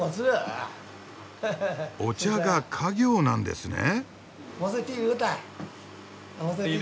お茶が家業なんですね？